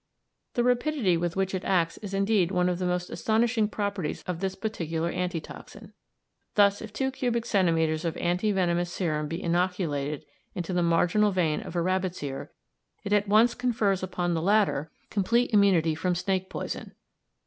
The rapidity with which it acts is indeed one of the most astonishing properties of this particular anti toxin. Thus if two cubic centimetres of anti venomous serum be inoculated into the marginal vein of a rabbit's ear, it at once confers upon the latter complete immunity from snake poison.